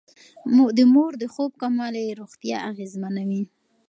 د مور د خوب کموالی روغتيا اغېزمنوي.